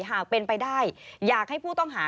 หากเป็นไปได้อยากให้ผู้ต้องหา